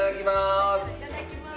いただきます。